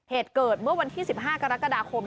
เหตุเกิดเมื่อวันที่๑๕กรกฎาคม